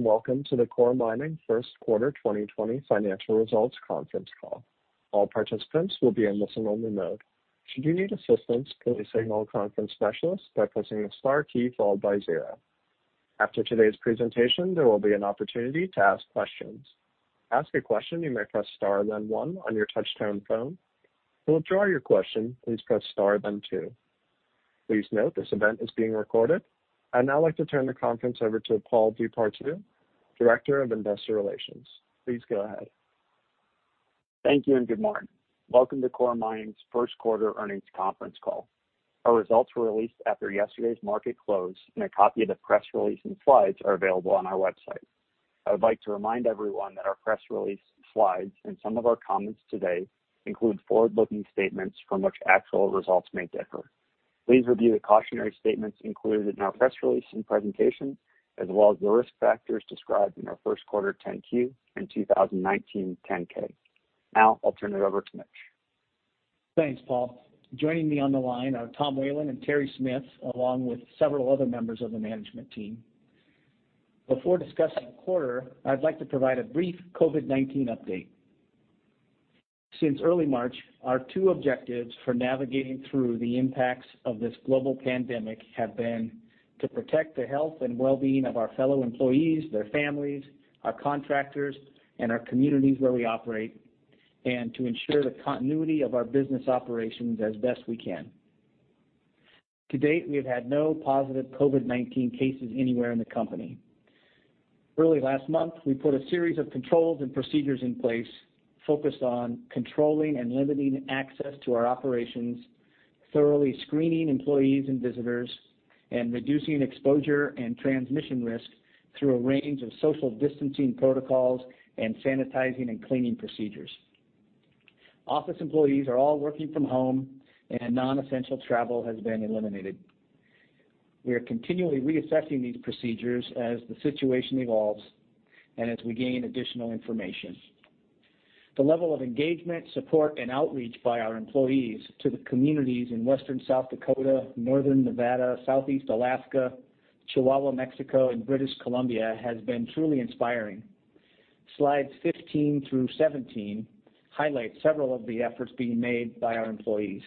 Welcome to the Coeur Mining first quarter 2020 financial results conference call. All participants will be in listen-only mode. Should you need assistance, please signal a conference specialist by pressing the star key followed by zero. After today's presentation, there will be an opportunity to ask questions. To ask a question, you may press star, then one on your touchtone phone. To withdraw your question, please press star, then two. Please note this event is being recorded. I'd now like to turn the conference over to Paul DePartout, Director of Investor Relations. Please go ahead. Thank you, and good morning. Welcome to Coeur Mining's first quarter earnings conference call. Our results were released after yesterday's market close, and a copy of the press release and slides are available on our website. I would like to remind everyone that our press release, slides, and some of our comments today include forward-looking statements from which actual results may differ. Please review the cautionary statements included in our press release and presentation, as well as the risk factors described in our first quarter 10-Q and 2019 10-K. Now, I'll turn it over to Mitch. Thanks, Paul. Joining me on the line are Tom Whelan and Terry Smith, along with several other members of the management team. Before discussing the quarter, I'd like to provide a brief COVID-19 update. Since early March, our two objectives for navigating through the impacts of this global pandemic have been to protect the health and well-being of our fellow employees, their families, our contractors, and our communities where we operate, and to ensure the continuity of our business operations as best we can. To date, we have had no positive COVID-19 cases anywhere in the company. Early last month, we put a series of controls and procedures in place focused on controlling and limiting access to our operations, thoroughly screening employees and visitors, and reducing exposure and transmission risk through a range of social distancing protocols and sanitizing and cleaning procedures. Office employees are all working from home, and non-essential travel has been eliminated. We are continually reassessing these procedures as the situation evolves and as we gain additional information. The level of engagement, support, and outreach by our employees to the communities in Western South Dakota, Northern Nevada, Southeast Alaska, Chihuahua, Mexico, and British Columbia has been truly inspiring. Slides 15 through 17 highlight several of the efforts being made by our employees.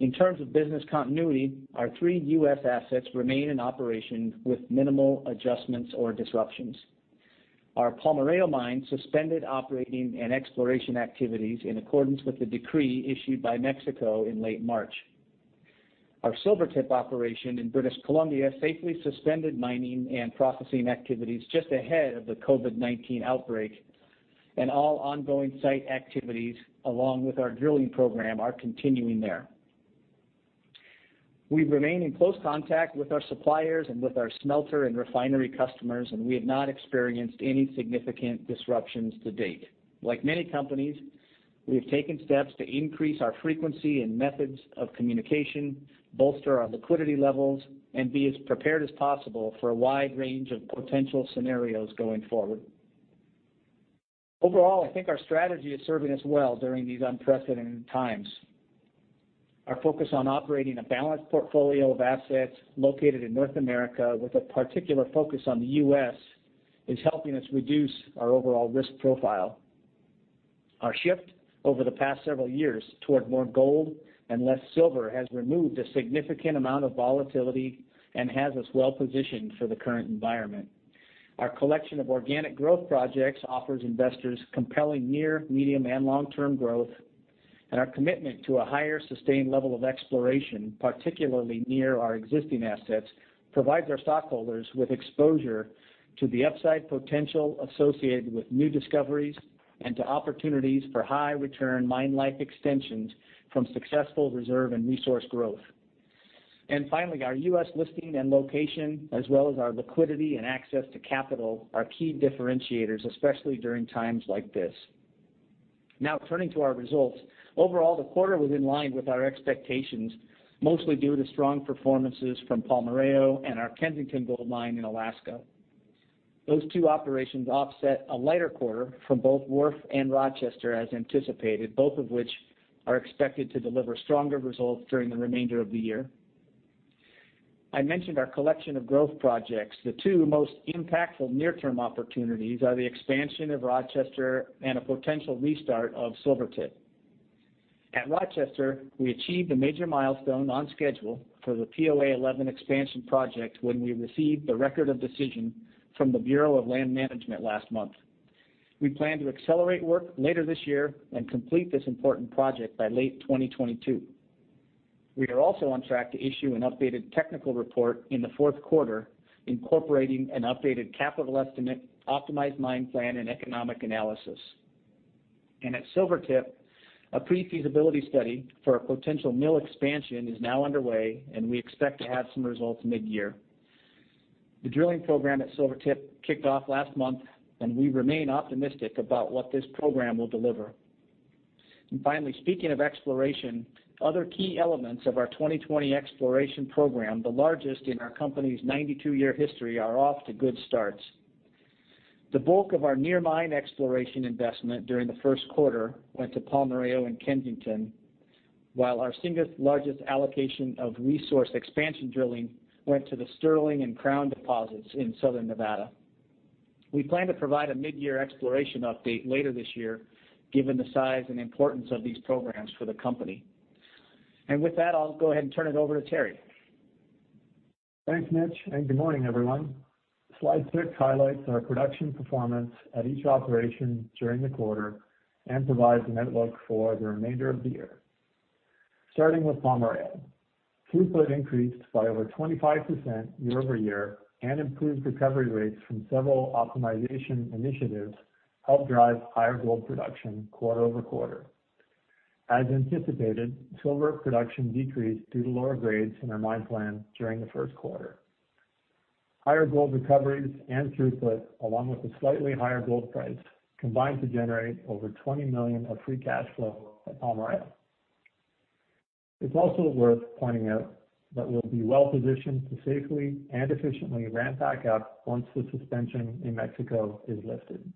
In terms of business continuity, our three U.S. assets remain in operation with minimal adjustments or disruptions. Our Palmarejo mine suspended operating and exploration activities in accordance with the decree issued by Mexico in late March. Our Silvertip operation in British Columbia safely suspended mining and processing activities just ahead of the COVID-19 outbreak, and all ongoing site activities, along with our drilling program, are continuing there. We remain in close contact with our suppliers and with our smelter and refinery customers, and we have not experienced any significant disruptions to date. Like many companies, we have taken steps to increase our frequency and methods of communication, bolster our liquidity levels, and be as prepared as possible for a wide range of potential scenarios going forward. Overall, I think our strategy is serving us well during these unprecedented times. Our focus on operating a balanced portfolio of assets located in North America with a particular focus on the U.S. is helping us reduce our overall risk profile. Our shift over the past several years toward more gold and less silver has removed a significant amount of volatility and has us well positioned for the current environment. Our collection of organic growth projects offers investors compelling near, medium, and long-term growth. Our commitment to a higher sustained level of exploration, particularly near our existing assets, provides our stockholders with exposure to the upside potential associated with new discoveries and to opportunities for high-return mine life extensions from successful reserve and resource growth. Finally, our U.S. listing and location, as well as our liquidity and access to capital, are key differentiators, especially during times like this. Now, turning to our results. Overall, the quarter was in line with our expectations, mostly due to strong performances from Palmarejo and our Kensington gold mine in Alaska. Those two operations offset a lighter quarter from both Wharf and Rochester as anticipated, both of which are expected to deliver stronger results during the remainder of the year. I mentioned our collection of growth projects. The two most impactful near-term opportunities are the expansion of Rochester and a potential restart of Silvertip. At Rochester, we achieved a major milestone on schedule for the POA 11 expansion project when we received the Record of Decision from the Bureau of Land Management last month. We plan to accelerate work later this year and complete this important project by late 2022. We are also on track to issue an updated technical report in the fourth quarter incorporating an updated capital estimate, optimized mine plan, and economic analysis. At Silvertip, a pre-feasibility study for a potential mill expansion is now underway, and we expect to have some results mid-year. The drilling program at Silvertip kicked off last month, and we remain optimistic about what this program will deliver. Finally, speaking of exploration, other key elements of our 2020 exploration program, the largest in our company's 92-year history, are off to good starts. The bulk of our near mine exploration investment during the first quarter went to Palmarejo and Kensington, while our single largest allocation of resource expansion drilling went to the Sterling and Crown deposits in Southern Nevada. We plan to provide a mid-year exploration update later this year, given the size and importance of these programs for the company. With that, I'll go ahead and turn it over to Terry. Thanks, Mitch. Good morning, everyone. Slide six highlights our production performance at each operation during the quarter and provides an outlook for the remainder of the year. Starting with Palmarejo. Throughput increased by over 25% year-over-year and improved recovery rates from several optimization initiatives helped drive higher gold production quarter-over-quarter. As anticipated, silver production decreased due to lower grades in our mine plan during the first quarter. Higher gold recoveries and throughput, along with a slightly higher gold price, combined to generate over $20 million of free cash flow at Palmarejo. It's also worth pointing out that we'll be well-positioned to safely and efficiently ramp back up once the suspension in Mexico is lifted.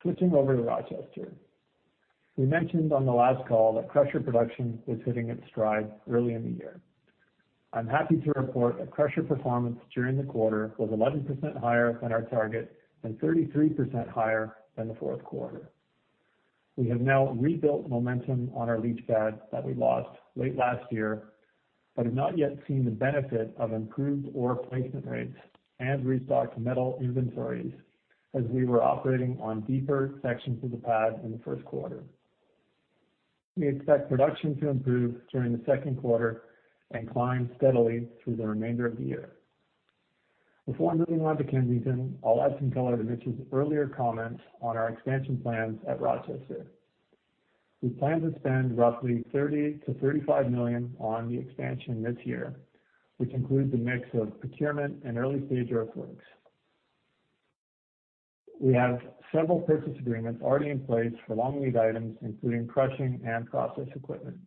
Switching over to Rochester. We mentioned on the last call that crusher production was hitting its stride early in the year. I'm happy to report that crusher performance during the quarter was 11% higher than our target and 33% higher than the fourth quarter. We have now rebuilt momentum on our leach pad that we lost late last year but have not yet seen the benefit of improved ore placement rates and restocked metal inventories as we were operating on deeper sections of the pad in the first quarter. We expect production to improve during the second quarter and climb steadily through the remainder of the year. Before moving on to Kensington, I'll add some color to Mitch's earlier comments on our expansion plans at Rochester. We plan to spend roughly $30 million-$35 million on the expansion this year, which includes a mix of procurement and early stage earthworks. We have several purchase agreements already in place for long lead items, including crushing and process equipment.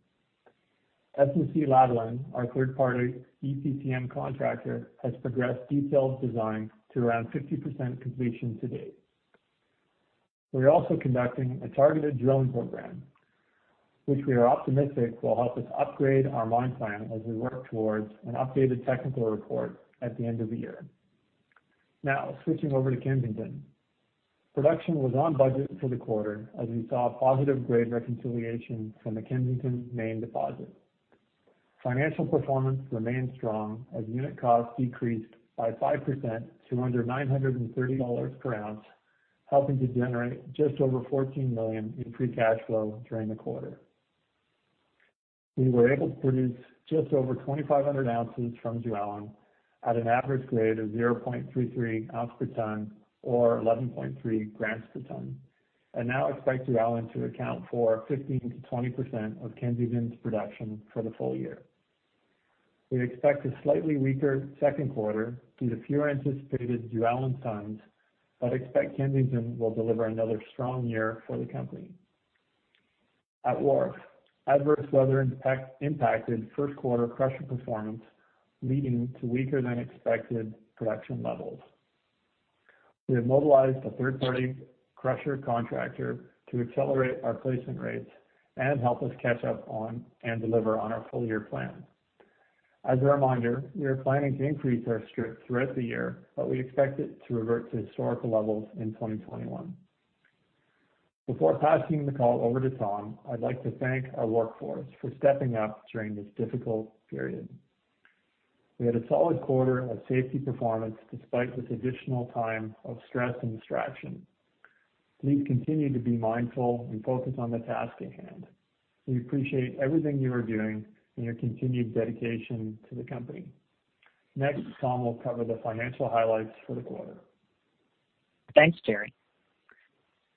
FLSmidth, our third-party EPCM contractor, has progressed detailed design to around 50% completion to date. We are also conducting a targeted drilling program, which we are optimistic will help us upgrade our mine plan as we work towards an updated technical report at the end of the year. Switching over to Kensington. Production was on budget for the quarter as we saw a positive grade reconciliation from the Kensington main deposit. Financial performance remained strong as unit cost decreased by 5% to under $930 per ounce, helping to generate just over $14 million in free cash flow during the quarter. We were able to produce just over 2,500 ounces from Jualin at an average grade of 0.33 ounce per ton or 11.3 g per ton, and now expect Jualin to account for 15%-20% of Kensington's production for the full year. We expect a slightly weaker second quarter due to fewer anticipated Jualin tons but expect Kensington will deliver another strong year for the company. At Wharf, adverse weather impacted first quarter crusher performance, leading to weaker than expected production levels. We have mobilized a third-party crusher contractor to accelerate our placement rates and help us catch up on and deliver on our full year plan. As a reminder, we are planning to increase our strip throughout the year. We expect it to revert to historical levels in 2021. Before passing the call over to Tom, I'd like to thank our workforce for stepping up during this difficult period. We had a solid quarter of safety performance despite this additional time of stress and distraction. Please continue to be mindful and focused on the task at hand. We appreciate everything you are doing and your continued dedication to the company. Next, Tom will cover the financial highlights for the quarter. Thanks, Terry.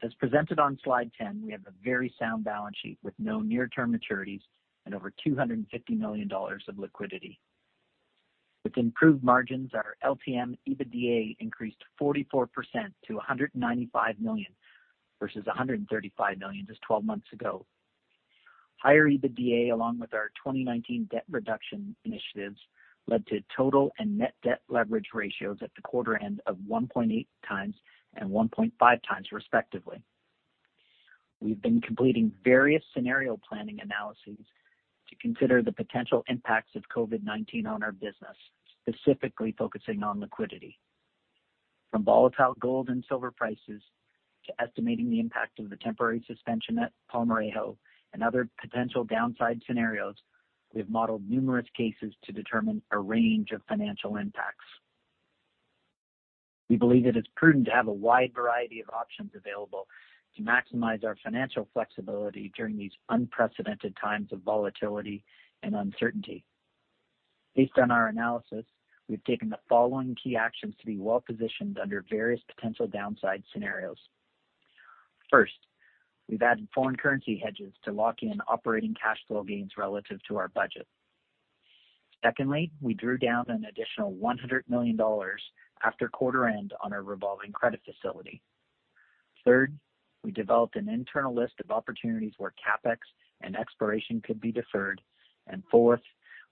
As presented on slide 10, we have a very sound balance sheet with no near-term maturities and over $250 million of liquidity. With improved margins, our LTM EBITDA increased 44% to $195 million versus $135 million just 12 months ago. Higher EBITDA, along with our 2019 debt reduction initiatives, led to total and net debt leverage ratios at the quarter end of 1.8x and 1.5x, respectively. We've been completing various scenario planning analyses to consider the potential impacts of COVID-19 on our business, specifically focusing on liquidity. From volatile gold and silver prices to estimating the impact of the temporary suspension at Palmarejo and other potential downside scenarios, we have modeled numerous cases to determine a range of financial impacts. We believe that it's prudent to have a wide variety of options available to maximize our financial flexibility during these unprecedented times of volatility and uncertainty. Based on our analysis, we've taken the following key actions to be well-positioned under various potential downside scenarios. First, we've added foreign currency hedges to lock in operating cash flow gains relative to our budget. Secondly, we drew down an additional $100 million after quarter end on our revolving credit facility. Third, we developed an internal list of opportunities where CapEx and exploration could be deferred. Fourth,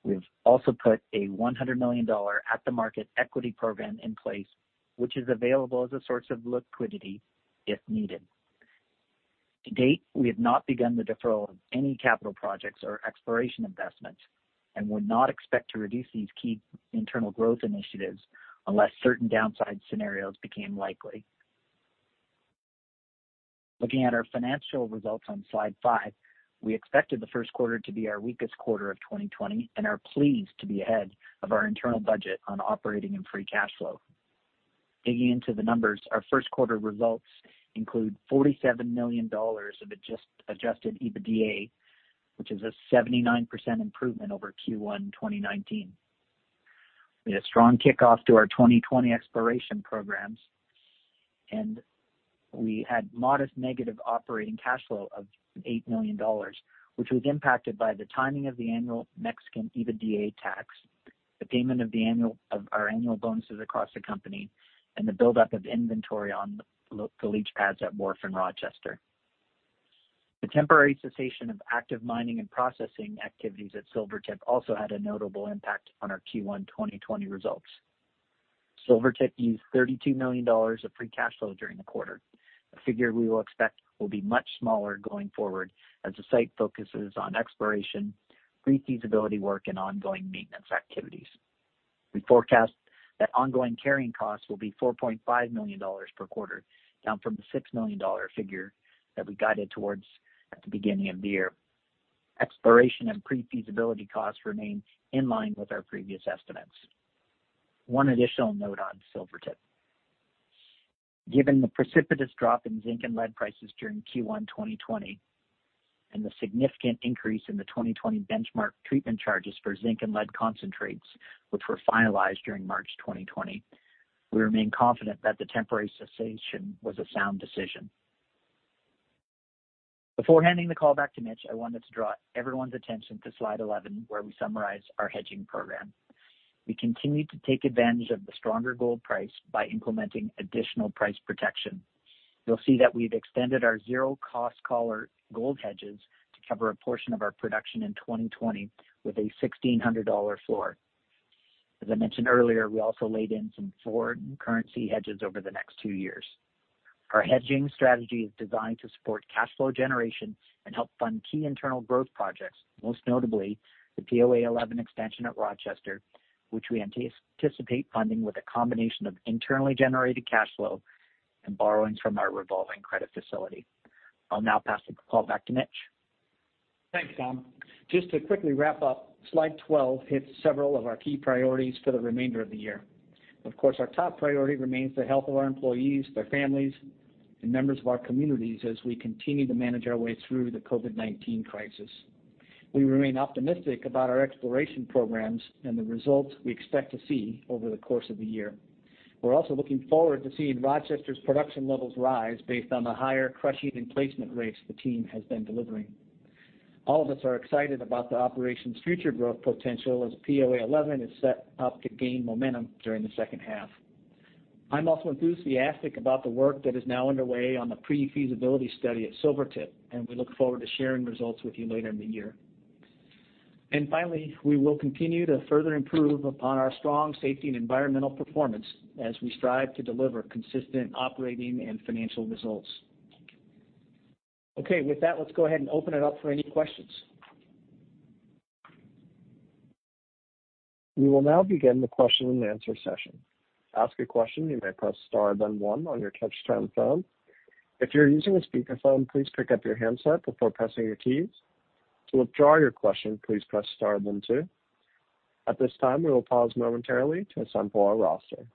we've also put a $100 million at-the-market equity program in place, which is available as a source of liquidity if needed. To date, we have not begun the deferral of any capital projects or exploration investments, and would not expect to reduce these key internal growth initiatives unless certain downside scenarios became likely. Looking at our financial results on slide five, we expected the first quarter to be our weakest quarter of 2020 and are pleased to be ahead of our internal budget on operating and free cash flow. Digging into the numbers, our first quarter results include $47 million of adjusted EBITDA, which is a 79% improvement over Q1 2019. We had a strong kickoff to our 2020 exploration programs, we had modest negative operating cash flow of $8 million, which was impacted by the timing of the annual Mexican EBITDA tax, the payment of our annual bonuses across the company, and the buildup of inventory on the leach pads at Wharf and Rochester. The temporary cessation of active mining and processing activities at Silvertip also had a notable impact on our Q1 2020 results. Silvertip used $32 million of free cash flow during the quarter, a figure we will expect will be much smaller going forward as the site focuses on exploration, pre-feasibility work, and ongoing maintenance activities. We forecast that ongoing carrying costs will be $4.5 million per quarter, down from the $6 million figure that we guided towards at the beginning of the year. Exploration and pre-feasibility costs remain in line with our previous estimates. One additional note on Silvertip. Given the precipitous drop in zinc and lead prices during Q1 2020 and the significant increase in the 2020 benchmark treatment charges for zinc and lead concentrates, which were finalized during March 2020, we remain confident that the temporary cessation was a sound decision. Before handing the call back to Mitch, I wanted to draw everyone's attention to slide 11, where we summarize our hedging program. We continue to take advantage of the stronger gold price by implementing additional price protection. You'll see that we've extended our zero-cost collar gold hedges to cover a portion of our production in 2020 with a $1,600 floor. As I mentioned earlier, we also laid in some forward currency hedges over the next two years. Our hedging strategy is designed to support cash flow generation and help fund key internal growth projects, most notably the POA 11 expansion at Rochester, which we anticipate funding with a combination of internally generated cash flow and borrowings from our revolving credit facility. I'll now pass the call back to Mitch. Thanks, Tom. To quickly wrap up, slide 12 hits several of our key priorities for the remainder of the year. Of course, our top priority remains the health of our employees, their families, and members of our communities as we continue to manage our way through the COVID-19 crisis. We remain optimistic about our exploration programs and the results we expect to see over the course of the year. We're also looking forward to seeing Rochester's production levels rise based on the higher crushing and placement rates the team has been delivering. All of us are excited about the operations' future growth potential as POA 11 is set up to gain momentum during the second half. I'm also enthusiastic about the work that is now underway on the pre-feasibility study at Silvertip. We look forward to sharing results with you later in the year. Finally, we will continue to further improve upon our strong safety and environmental performance as we strive to deliver consistent operating and financial results. Okay. With that, let's go ahead and open it up for any questions. We will now begin the question and answer session. To ask a question, you may press star then one on your touchtone phone. If you're using a speakerphone, please pick up your handset before pressing your keys. To withdraw your question, please press star then two. At this time, we will pause momentarily to assemble our roster.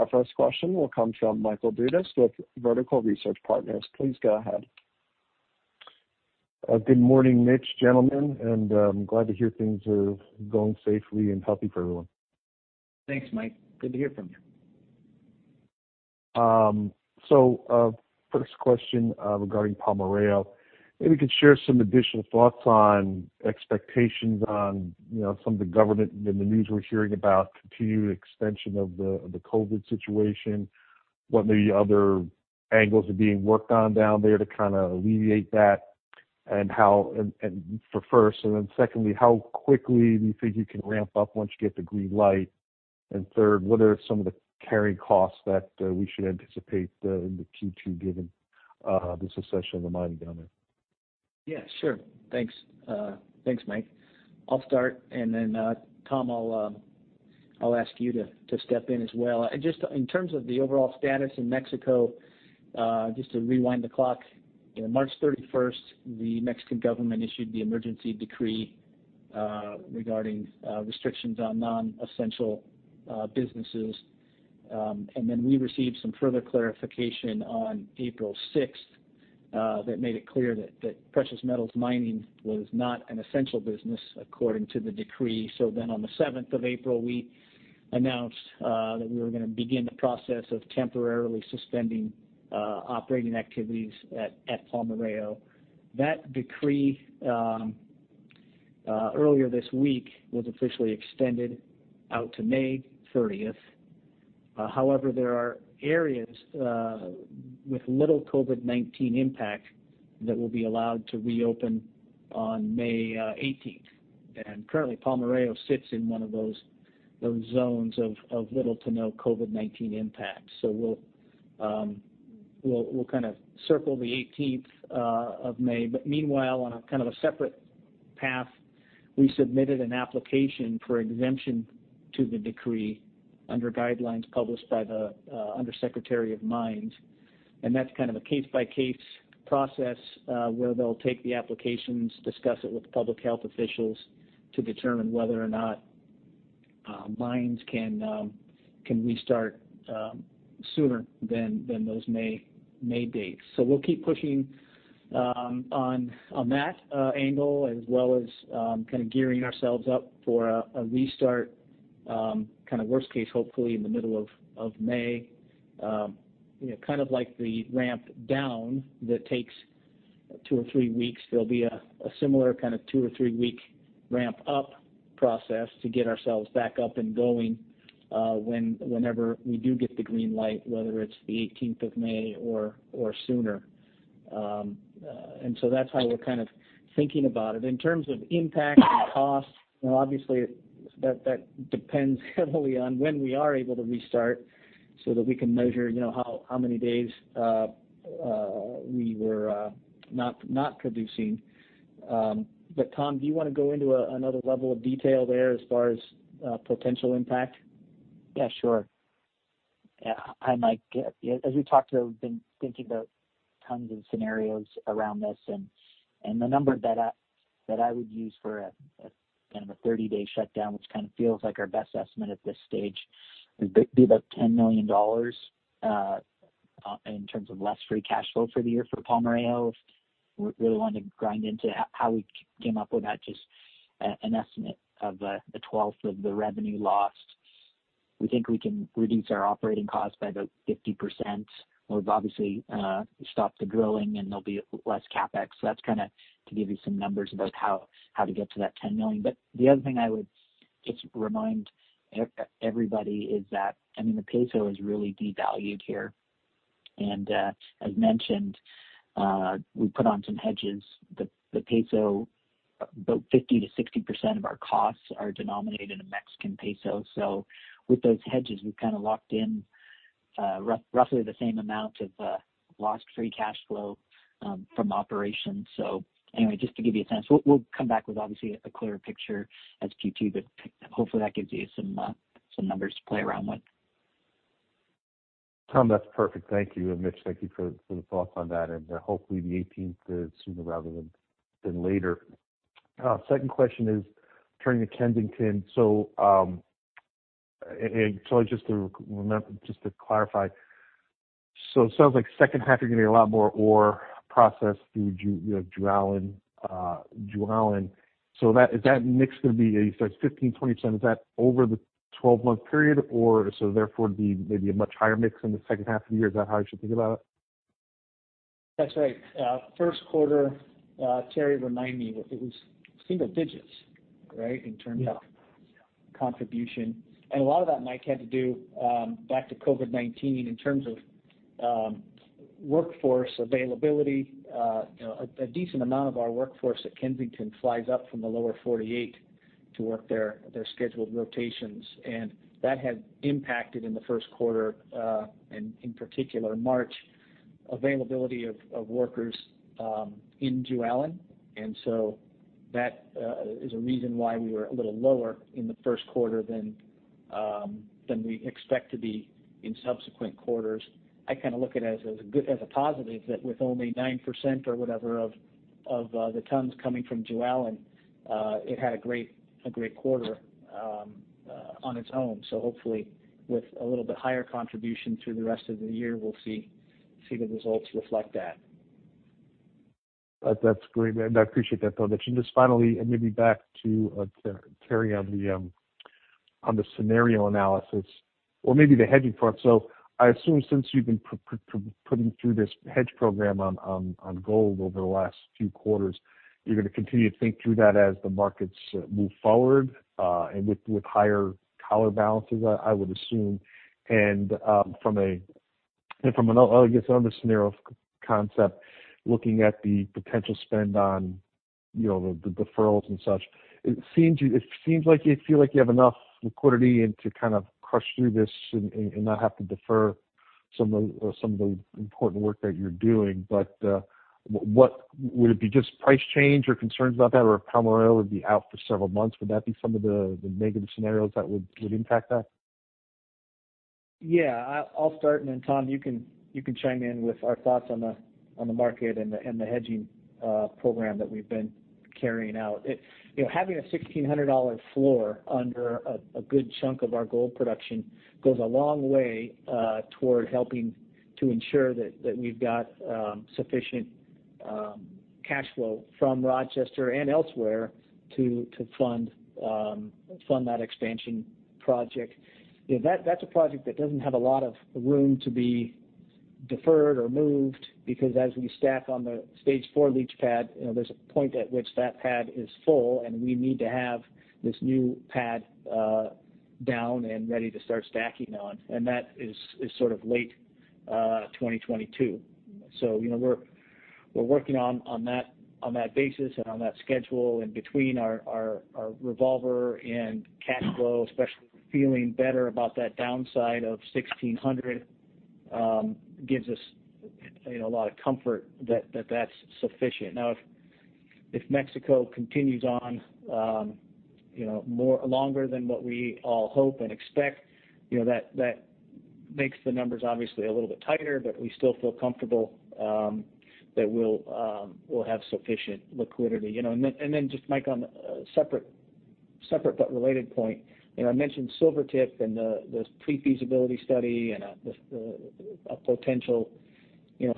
Our first question will come from Michael Dudas with Vertical Research Partners. Please go ahead. Good morning, Mitch, gentlemen, and glad to hear things are going safely and healthy for everyone. Thanks, Mike. Good to hear from you. First question regarding Palmarejo. Maybe you could share some additional thoughts on expectations on some of the government in the news we're hearing about continued extension of the COVID situation, what maybe other angles are being worked on down there to kind of alleviate that for first. Secondly, how quickly do you figure you can ramp up once you get the green light? Third, what are some of the carrying costs that we should anticipate in the Q2 given the cessation of the mining down there? Yeah, sure. Thanks, Mike. I'll start and then Tom, I'll ask you to step in as well. Just in terms of the overall status in Mexico, just to rewind the clock, March 31st, the Mexican government issued the emergency decree regarding restrictions on non-essential businesses. Then we received some further clarification on April 6th, that made it clear that precious metals mining was not an essential business according to the decree. Then on the 7th of April, we announced that we were going to begin the process of temporarily suspending operating activities at Palmarejo. That decree, earlier this week, was officially extended out to May 30th. There are areas with little COVID-19 impact that will be allowed to reopen on May 18th, and currently Palmarejo sits in one of those zones of little to no COVID-19 impact. We'll circle the 18th of May. Meanwhile, on a separate path, we submitted an application for exemption to the decree under guidelines published by the Undersecretary of Mines. That's a case-by-case process, where they'll take the applications, discuss it with public health officials to determine whether or not mines can restart sooner than those May dates. We'll keep pushing on that angle as well as gearing ourselves up for a restart, worst case, hopefully in the middle of May. Kind of like the ramp down that takes two or three weeks, there'll be a similar two or three-week ramp-up process to get ourselves back up and going, whenever we do get the green light, whether it's the 18th of May or sooner. That's how we're thinking about it. In terms of impact and costs, obviously, that depends heavily on when we are able to restart so that we can measure how many days we were not producing. Tom, do you want to go into another level of detail there as far as potential impact? Yeah, sure. As we talked, we've been thinking about tons of scenarios around this. The number that I would use for a 30-day shutdown, which feels like our best estimate at this stage, would be about $10 million, in terms of less free cash flow for the year for Palmarejo. If we really wanted to grind into how we came up with that, just an estimate of a 12th of the revenue lost. We think we can reduce our operating costs by about 50%, or obviously, stop the drilling and there'll be less CapEx. That's to give you some numbers about how to get to that $10 million. The other thing I would just remind everybody is that, the peso is really devalued here. As mentioned, we put on some hedges. About 50%-60% of our costs are denominated in Mexican pesos. With those hedges, we've locked in roughly the same amount of lost free cash flow from operations. Anyway, just to give you a sense. We'll come back with, obviously, a clearer picture as Q2, but hopefully that gives you some numbers to play around with. Tom, that's perfect. Thank you. Mitch, thank you for the thoughts on that, and hopefully the 18th is sooner rather than later. Second question is turning to Kensington. Just to clarify, so it sounds like second half, you're getting a lot more ore processed through Jualin. Is that mix going to be, you said it's 15%-20%, is that over the 12-month period, or so therefore it would be maybe a much higher mix in the second half of the year? Is that how I should think about it? That's right. First quarter, Terry, remind me, it was single digits, right? Yeah. In terms of contribution, a lot of that, Mike, had to do, back to COVID-19, in terms of workforce availability. A decent amount of our workforce at Kensington flies up from the lower 48 to work their scheduled rotations. That had impacted in the first quarter, and in particular March, availability of workers in Jualin. That is a reason why we were a little lower in the first quarter than we expect to be in subsequent quarters. I look at it as a positive that with only 9% or whatever of the tons coming from Jualin, it had a great quarter on its own. Hopefully with a little bit higher contribution through the rest of the year, we'll see the results reflect that. That's great. I appreciate that, Tom. Just finally, and maybe back to Terry on the scenario analysis, or maybe the hedging front. I assume since you've been putting through this hedge program on gold over the last few quarters, you're going to continue to think through that as the markets move forward, and with higher collar balances, I would assume. From another scenario concept, looking at the potential spend on the deferrals and such, it seems like you have enough liquidity to crush through this and not have to defer some of the important work that you're doing. Would it be just price change or concerns about that or if Palmarejo would be out for several months? Would that be some of the negative scenarios that would impact that? Yeah. Tom, you can chime in with our thoughts on the market and the hedging program that we've been carrying out. Having a $1,600 floor under a good chunk of our gold production goes a long way toward helping to ensure that we've got sufficient cash flow from Rochester and elsewhere to fund that expansion project. That's a project that doesn't have a lot of room to be deferred or moved because as we stack on the Stage 4 leach pad, there's a point at which that pad is full, and we need to have this new pad down and ready to start stacking on. That is late 2022. We're working on that basis and on that schedule. Between our revolver and cash flow, especially feeling better about that downside of $1,600, gives us a lot of comfort that that's sufficient. If Mexico continues on longer than what we all hope and expect, that makes the numbers obviously a little bit tighter, but we still feel comfortable that we'll have sufficient liquidity. Mike, on a separate but related point, I mentioned Silvertip and the pre-feasibility study and a potential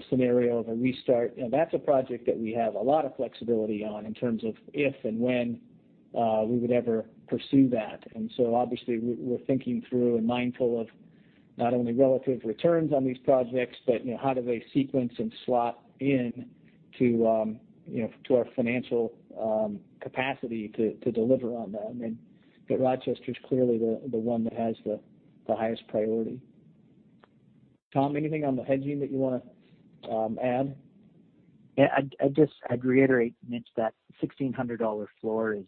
scenario of a restart. That's a project that we have a lot of flexibility on in terms of if and when we would ever pursue that. Obviously we're thinking through and mindful of not only relative returns on these projects, but how do they sequence and slot in to our financial capacity to deliver on them. Rochester's clearly the one that has the highest priority. Tom, anything on the hedging that you want to add? Yeah, I'd reiterate, Mitch, that $1,600 floor is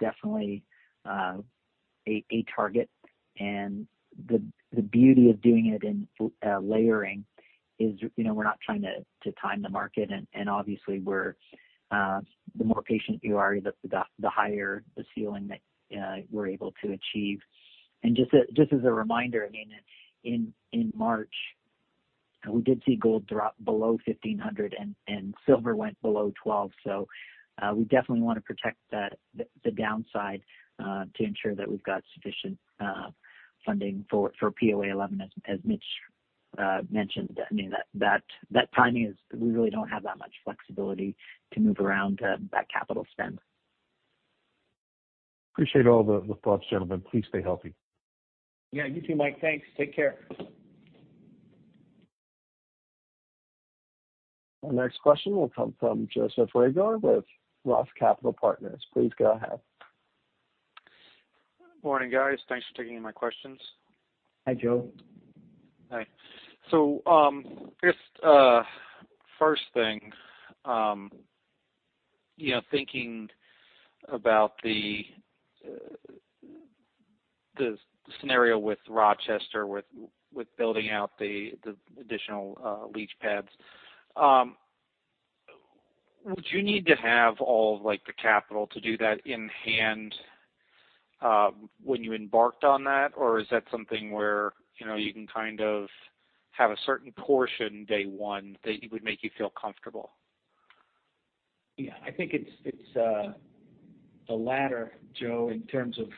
definitely a target. The beauty of doing it in layering is we're not trying to time the market, and obviously the more patient you are, the higher the ceiling that we're able to achieve. Just as a reminder, in March, we did see gold drop below $1,500 and silver went below $12. We definitely want to protect the downside to ensure that we've got sufficient funding for POA 11, as Mitch mentioned. That timing is we really don't have that much flexibility to move around that capital spend. Appreciate all the thoughts, gentlemen. Please stay healthy. Yeah, you too, Mike. Thanks. Take care. Our next question will come from Joseph Reagor with Roth Capital Partners. Please go ahead. Morning, guys. Thanks for taking my questions. Hi, Joe. Hi. Just first thing, thinking about the scenario with Rochester, with building out the additional leach pads, would you need to have all of the capital to do that in hand when you embarked on that? Or is that something where you can have a certain portion day one that would make you feel comfortable? Yeah, I think it's the latter, Joe, in terms of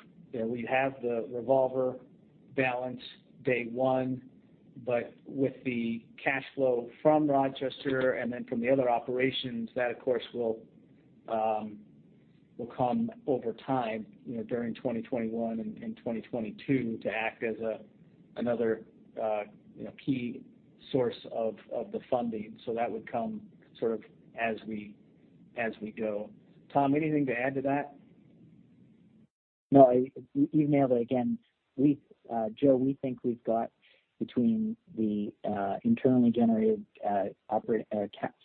we have the revolver balance day one, but with the cash flow from Rochester and then from the other operations, that of course will come over time, during 2021 and 2022 to act as another key source of the funding. That would come as we go. Tom, anything to add to that? No, you nailed it again. Joe, we think we've got between the internally generated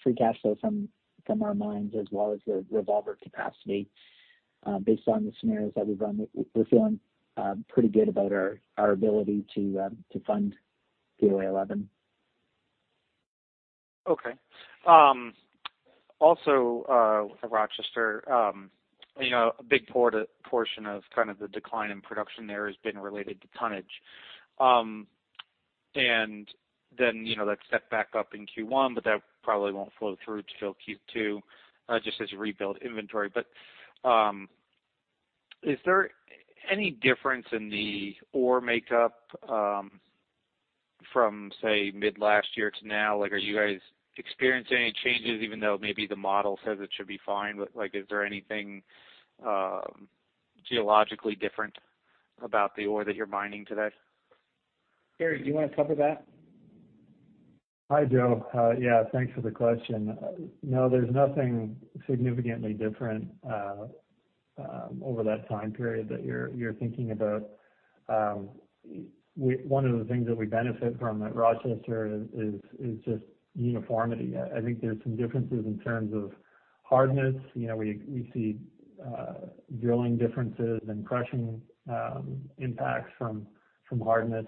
free cash flow from our mines as well as the revolver capacity. Based on the scenarios that we've run, we're feeling pretty good about our ability to fund POA 11. Okay. With Rochester, a big portion of the decline in production there has been related to tonnage. That stepped back up in Q1, that probably won't flow through to fill Q2, just as you rebuild inventory. Is there any difference in the ore makeup from, say, mid last year to now? Are you guys experiencing any changes even though maybe the model says it should be fine? Is there anything geologically different about the ore that you're mining today? Terry, do you want to cover that? Hi, Joe. Yeah, thanks for the question. No, there's nothing significantly different over that time period that you're thinking about. One of the things that we benefit from at Rochester is just uniformity. I think there's some differences in terms of hardness. We see drilling differences and crushing impacts from hardness,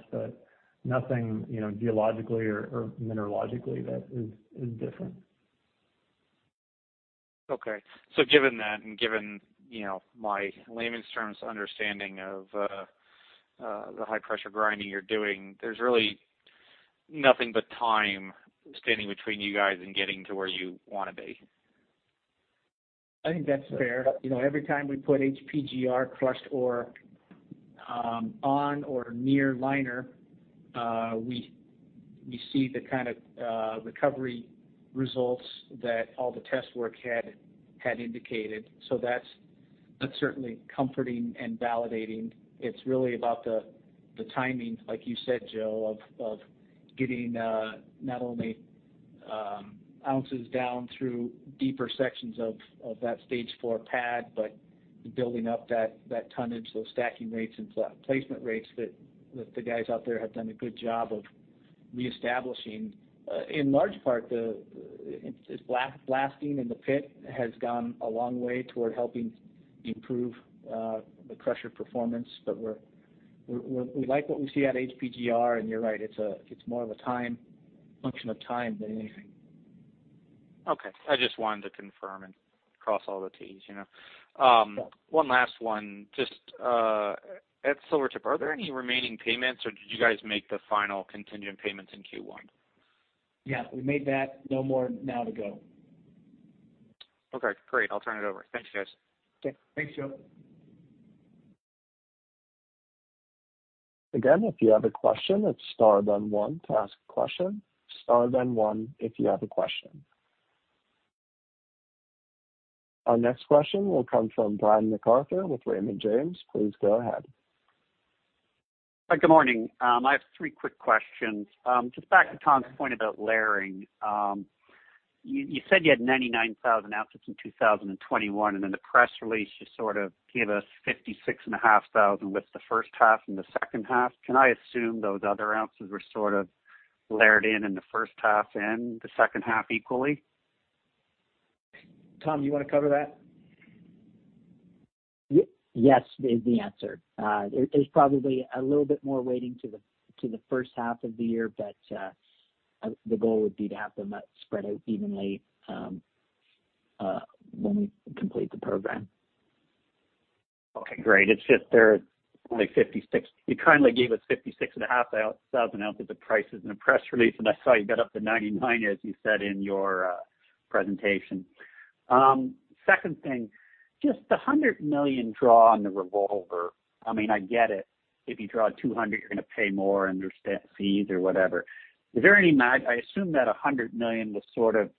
but nothing geologically or mineralogically that is different. Okay. Given that, and given my layman's terms understanding of the high pressure grinding you're doing, there's really nothing but time standing between you guys and getting to where you want to be. I think that's fair. Every time we put HPGR crushed ore on or near liner, we see the kind of recovery results that all the test work had indicated. That's certainly comforting and validating. It's really about the timing, like you said, Joe, of getting not only ounces down through deeper sections of that Stage 4 pad, but building up that tonnage, those stacking rates and placement rates that the guys out there have done a good job of reestablishing. In large part, the blasting in the pit has gone a long way toward helping improve the crusher performance. We like what we see at HPGR, and you're right, it's more of a function of time than anything. Okay. I just wanted to confirm and cross all the Ts. Yeah. One last one. At Silvertip, are there any remaining payments, or did you guys make the final contingent payments in Q1? Yeah, we made that. No more now to go. Okay, great. I'll turn it over. Thanks, guys. Okay. Thanks, Joe. Again, if you have a question, it's star then one to ask a question. Star then one if you have a question. Our next question will come from Brian MacArthur with Raymond James. Please go ahead. Hi, good morning. I have three quick questions. Just back to Tom's point about layering. You said you had 99,000 ounces in 2021, and then the press release just sort of gave us 56,500 with the first half and the second half. Can I assume those other ounces were sort of layered in the first half and the second half equally? Tom, do you want to cover that? Yes is the answer. There's probably a little bit more weighting to the first half of the year, but the goal would be to have them spread out evenly when we complete the program. Okay, great. It's just there, like 56,000. You kindly gave us 56,500 ounces of prices in a press release, and I saw you got up to 99,000 as you said in your presentation. Second thing, just the $100 million draw on the revolver. I get it. If you draw $200 million, you're going to pay more and there's fees or whatever. I assume that $100 million was sort of,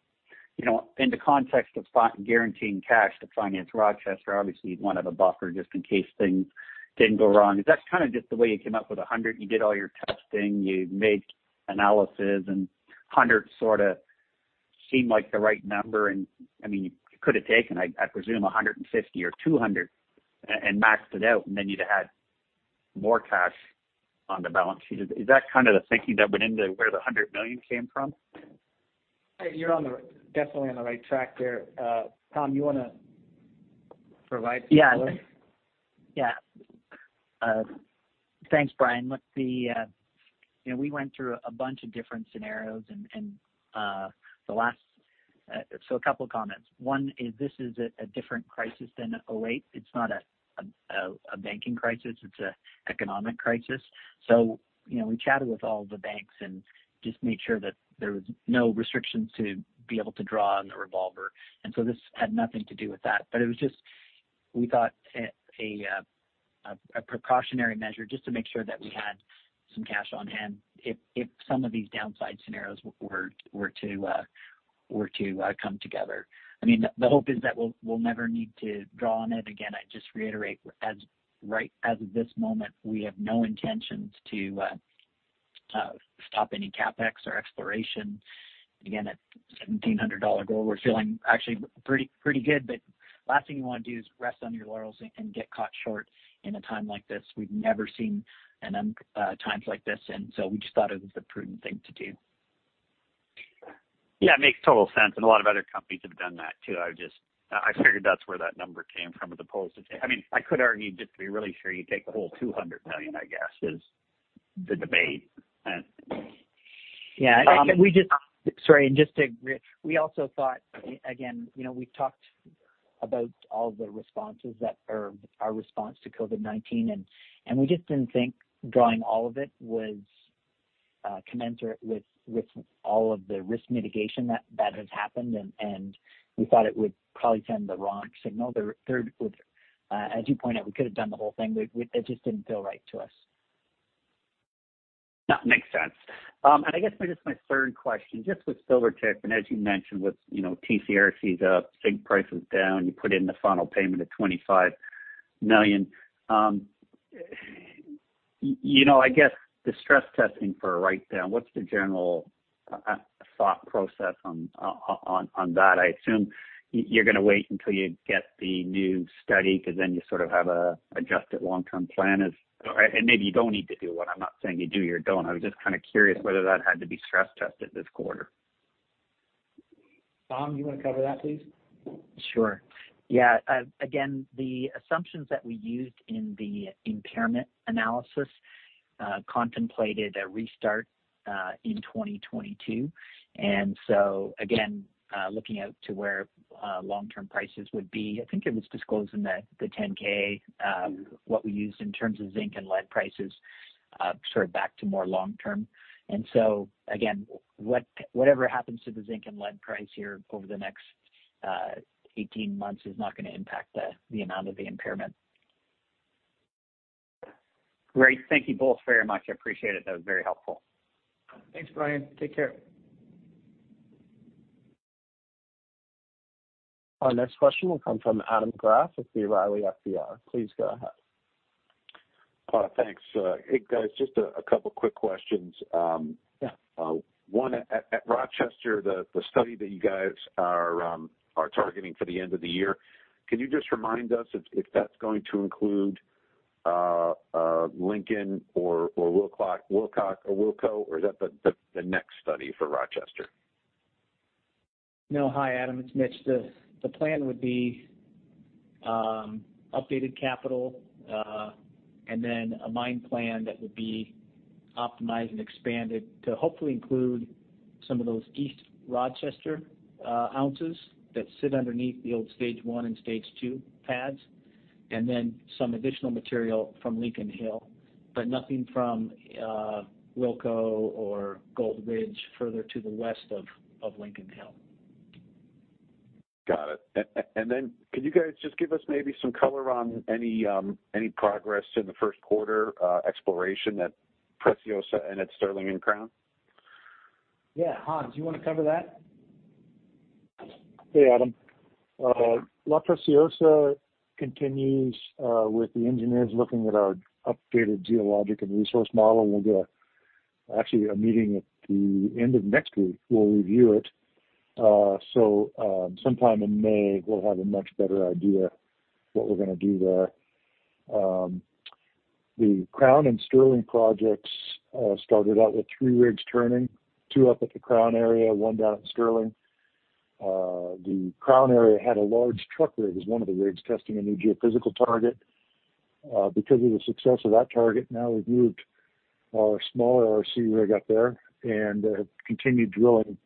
in the context of guaranteeing cash to finance Rochester, obviously you'd want to have a buffer just in case things didn't go wrong. Is that just the way you came up with $100 million? You did all your testing, you made analysis, and $100 million sort of seemed like the right number, and you could have taken, I presume, $150 million or $200 million and maxed it out, and then you'd have had more cash on the balance sheet. Is that the thinking that went into where the $100 million came from? You're definitely on the right track there. Tom, you want to provide some color? Thanks, Brian. We went through a bunch of different scenarios. A couple of comments. One, this is a different crisis than 2008. It's not a banking crisis, it's an economic crisis. We chatted with all the banks and just made sure that there was no restrictions to be able to draw on the revolver. This had nothing to do with that. It was just, we thought a precautionary measure just to make sure that we had some cash on hand if some of these downside scenarios were to come together. The hope is that we'll never need to draw on it again. I'd just reiterate, as of right now, this moment, we have no intentions to stop any CapEx or exploration. At $1,700 gold, we're feeling actually pretty good, last thing you want to do is rest on your laurels and get caught short in a time like this. We've never seen times like this, we just thought it was the prudent thing to do. Yeah, it makes total sense, a lot of other companies have done that, too. I figured that's where that number came from with the polls. I could argue just to be really sure, you take the whole $200 million, I guess, is the debate. Yeah. Sorry. We also thought, again, we've talked about all the responses that are our response to COVID-19, and we just didn't think drawing all of it was commensurate with all of the risk mitigation that has happened, and we thought it would probably send the wrong signal. As you point out, we could have done the whole thing, but it just didn't feel right to us. No, makes sense. I guess maybe just my third question, just with Silvertip, as you mentioned with TCRCs up, zinc prices down, you put in the final payment of $25 million. I guess the stress testing for a write-down, what's the general thought process on that? I assume you're going to wait until you get the new study because then you sort of have an adjusted long-term plan. Maybe you don't need to do one. I'm not saying you do or don't. I was just kind of curious whether that had to be stress tested this quarter. Tom, you want to cover that, please? Sure. Yeah. Again, the assumptions that we used in the impairment analysis contemplated a restart in 2023. Again, looking out to where long-term prices would be, I think it was disclosed in the 10-K, what we used in terms of zinc and lead prices back to more long-term. Again, whatever happens to the zinc and lead price here over the next 18 months is not going to impact the amount of the impairment. Great. Thank you both very much. I appreciate it. That was very helpful. Thanks, Brian. Take care. Our next question will come from Adam Graf with the B. Riley FBR. Please go ahead. Thanks. Hey, guys, just a couple quick questions. Yeah. One, at Rochester, the study that you guys are targeting for the end of the year, can you just remind us if that's going to include Lincoln or Wilco, or is that the next study for Rochester? No. Hi, Adam, it's Mitch. The plan would be updated capital, and then a mine plan that would be optimized and expanded to hopefully include some of those East Rochester ounces that sit underneath the old Stage 1 and Stage 2 pads, and then some additional material from Lincoln Hill. Nothing from Wilco or Gold Ridge further to the west of Lincoln Hill. Got it. Could you guys just give us maybe some color on any progress in the first quarter exploration at Preciosa and at Sterling and Crown? Yeah. Hans, do you want to cover that? Hey, Adam. La Preciosa continues with the engineers looking at our updated geologic and resource model, and we'll do actually a meeting at the end of next week. We'll review it. Sometime in May, we'll have a much better idea what we're going to do there. The Crown and Sterling projects started out with three rigs turning, two up at the Crown area, one down at Sterling. The Crown area had a large truck rig as one of the rigs testing a new geophysical target. Because of the success of that target, now we've moved our smaller RC rig up there and have continued drilling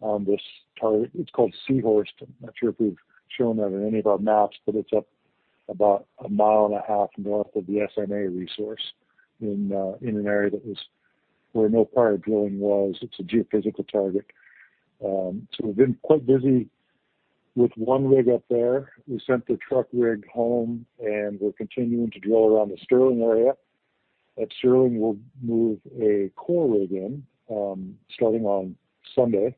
on this target. It's called C-Horst. I'm not sure if we've shown that on any of our maps, but it's up about a mile and a half north of the SNA resource in an area where no prior drilling was. It's a geophysical target. We've been quite busy with one rig up there. We sent the truck rig home, and we're continuing to drill around the Sterling area. At Sterling, we'll move a core rig in starting on Sunday.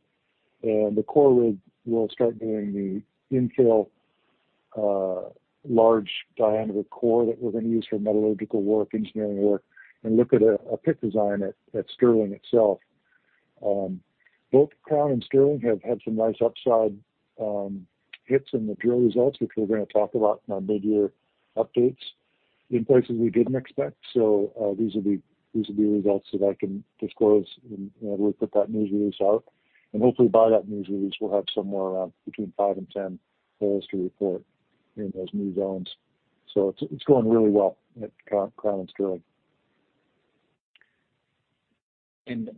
The core rig will start doing the infill large diameter core that we're going to use for metallurgical work, engineering work, and look at a pit design at Sterling itself. Both Crown and Sterling have had some nice upside hits in the drill results, which we're going to talk about in our mid-year updates in places we didn't expect. These will be results that I can disclose whenever we put that news release out. Hopefully by that news release, we'll have somewhere around between five and 10 holes to report in those new zones. It's going really well at Crown and Sterling.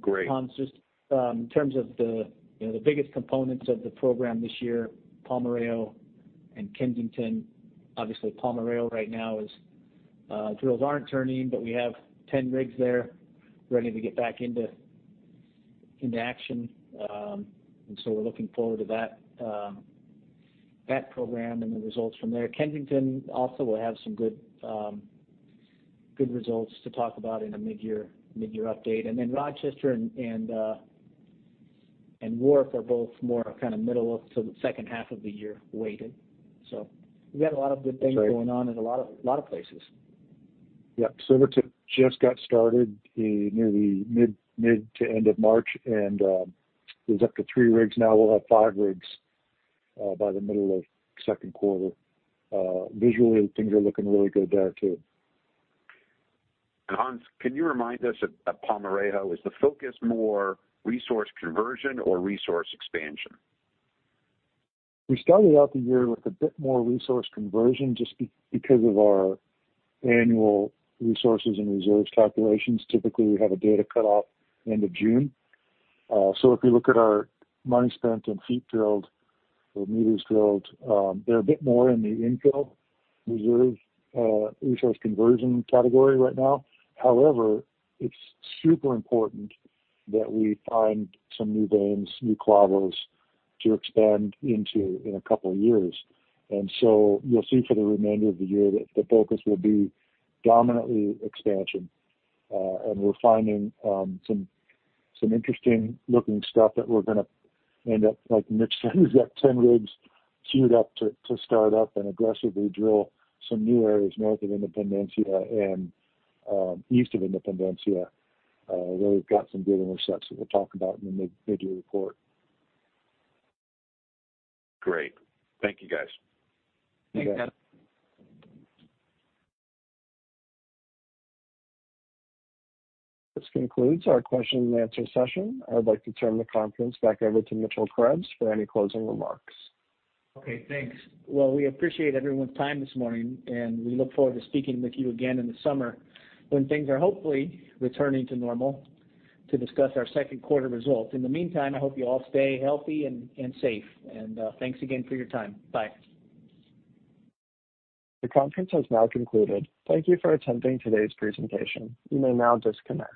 Great. Hans, just in terms of the biggest components of the program this year, Palmarejo and Kensington. Obviously, Palmarejo right now drills aren't turning, but we have 10 rigs there ready to get back into action. We're looking forward to that program and the results from there. Kensington also will have some good results to talk about in a mid-year update. Rochester and Wharf are both more middle to the second half of the year weighted. We've got a lot of good things going on in a lot of places. Yeah. Silvertip just got started near the mid to end of March, and it was up to three rigs. Now we'll have five rigs by the middle of the second quarter. Visually, things are looking really good there too. Hans, can you remind us, at Palmarejo, is the focus more resource conversion or resource expansion? We started out the year with a bit more resource conversion just because of our annual resources and reserves calculations. Typically, we have a data cut-off end of June. If you look at our money spent and feet drilled or meters drilled, they're a bit more in the infill reserve resource conversion category right now. However, it's super important that we find some new veins, new clavos to expand into in a couple of years. You'll see for the remainder of the year that the focus will be dominantly expansion. We're finding some interesting-looking stuff that we're going to end up, like Mitch said, he's got 10 rigs queued up to start up and aggressively drill some new areas north of Independencia and east of Independencia, where we've got some good intercepts that we'll talk about in the mid-year report. Great. Thank you, guys. Thanks, Adam. This concludes our question and answer session. I would like to turn the conference back over to Mitchell Krebs for any closing remarks. Okay, thanks. Well, we appreciate everyone's time this morning, and we look forward to speaking with you again in the summer when things are hopefully returning to normal to discuss our second quarter results. In the meantime, I hope you all stay healthy and safe, and thanks again for your time. Bye. The conference has now concluded. Thank you for attending today's presentation. You may now disconnect.